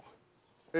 え？